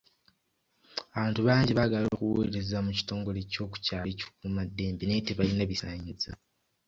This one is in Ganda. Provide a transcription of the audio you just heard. Abantu bangi baagala okuweereza mu kitongole kyokukyalo ekikuuma ddembe naye tebalina bisaanizo.